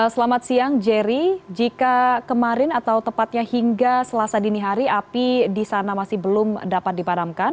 selamat siang jerry jika kemarin atau tepatnya hingga selasa dini hari api di sana masih belum dapat dipadamkan